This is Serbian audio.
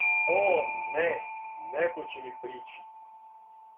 О, не, неко ће ми прићи!